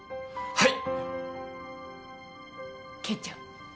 はい。